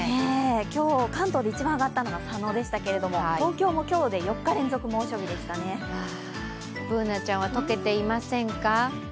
今日関東で一番上がったのは佐野でしたけど、東京も今日で４日連続でＢｏｏｎａちゃんは溶けていませんか？